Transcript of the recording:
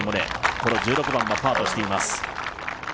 この１６番はパーとしています。